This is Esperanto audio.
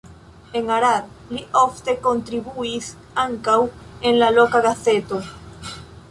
En Arad li ofte kontribuis ankaŭ en la loka gazeto.